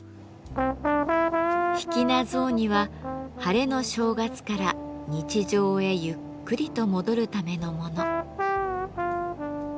ひきな雑煮はハレの正月から日常へゆっくりと戻るためのもの。